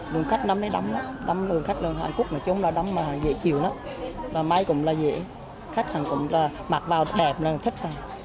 lường khách năm một mươi đô lường khách hàn quốc là dễ chịu lắm và máy cũng dễ khách cũng mặc vào đẹp là thích